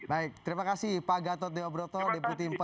baik terima kasih pak gatot deobroto deputi empat kemenpora